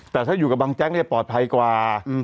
แต่ถ้าอยู่กับบังแจ๊กเนี่ยปลอดภัยกว่า